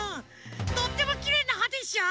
とってもきれいなはでしょ？